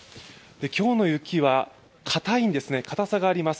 今日の雪は硬さがあります。